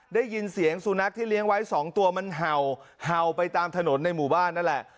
ได้ยินเสียงสุนัขที่เลี้ยงไว้๒ตัวมันเห่าเห่าไปตามถนนในหมู่บ้านนั่นแหละ